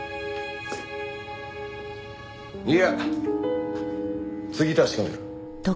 いや次確かめる。